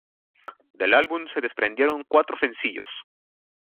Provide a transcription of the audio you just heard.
Del álbum se desprendieron cuatro sencillos.